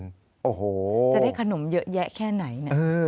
จะได้ขนมเยอะแยะแค่ไหน